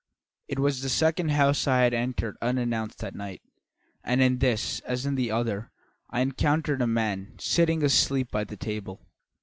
It was the second house I had entered unannounced that night, and in this as in the other I encountered a man sitting asleep by the table.